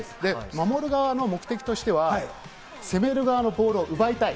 守る側の目的としては、攻める側のボールを奪いたい。